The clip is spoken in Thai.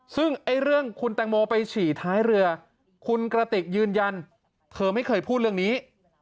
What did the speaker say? ซึ่งเรื่องคุณแตงโมไปฉี่ท้ายเรือคุณกระติกยืนยันเธอไม่เคยพูดเรื่องนี้